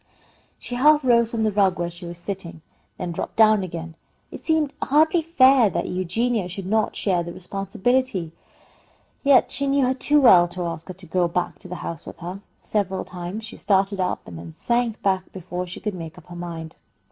She half rose from the rug where she was sitting, then dropped down again. It seemed hardly fair that Eugenia should not share the responsibility, yet she knew her too well to ask her to go back to the house with her. Several times she started up and then sank back before she could make up her mind.